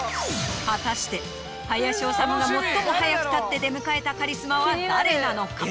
果たして林修が最も速く立って出迎えたカリスマは誰なのか？